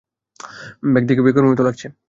Bag দেখে বেকুবের মতো লাগছে।